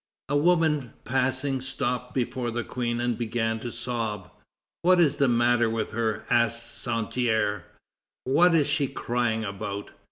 A woman, passing, stopped before the Queen and began to sob. "What is the matter with her?" asked Santerre; "what is she crying about?"